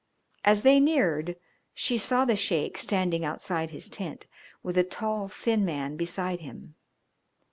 As they neared she saw the Sheik standing outside his tent, with a tall, thin man beside him.